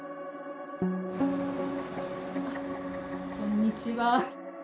こんにちは。